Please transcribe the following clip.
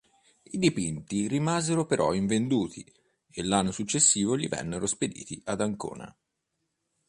I dipinti rimasero però invenduti, e l'anno successivo gli vennero spediti ad Ancona.